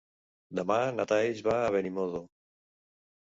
Demà na Thaís va a Benimodo.